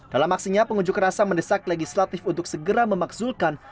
dalam aksinya pengunjuk rasa mendesak legislatif untuk segera memakzulkan